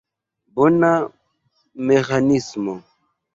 Bona meĥanismo!